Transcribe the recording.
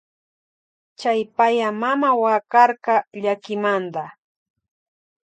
Chay paya mama wakarka llakimanta.